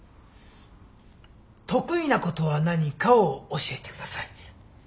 得意なことは何かを教えてください。